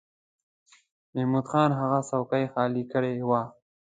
محمود خان هغه څوکۍ خالی کړې وه.